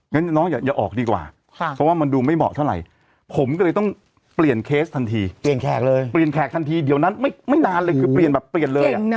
งั้นน้องอย่าออกดีกว่าเพราะว่ามันดูไม่เหมาะเท่าไหร่ผมก็เลยต้องเปลี่ยนเคสทันทีเปลี่ยนแขกเลยเปลี่ยนแขกทันทีเดี๋ยวนั้นไม่นานเลยคือเปลี่ยนแบบเปลี่ยนเลย